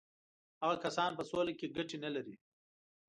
هغه کسان په سوله کې ګټې نه لري.